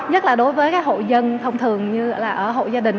nhất là đối với các hội dân thông thường như là ở hội gia đình